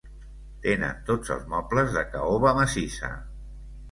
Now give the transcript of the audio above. Tenen tots els mobles de caoba massissa.